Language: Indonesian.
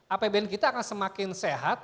apbn kita akan semakin sehat